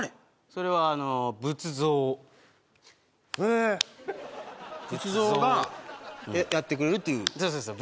それはあのぶつぞうへえ仏像がやってくれるっていう話そうそうそう